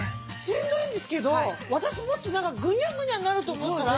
しんどいんですけど私もっと何かグニャグニャなると思ったら。